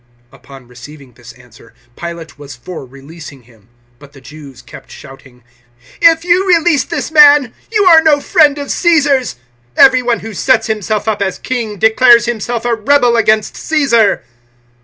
019:012 Upon receiving this answer, Pilate was for releasing Him. But the Jews kept shouting, "If you release this man, you are no friend of Caesar's. Every one who sets himself up as king declares himself a rebel against Caesar."